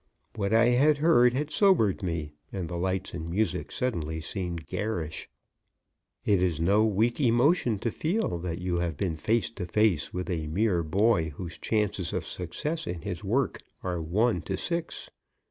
What I had heard had sobered me, and the lights and music suddenly seemed garish. It is no weak emotion to feel that you have been face to face with a mere boy whose chances of success in his work are one to six.